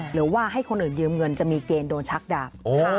หรือว่าให้คนอื่นยืมเงินจะมีเกณฑ์โดนชักดาบ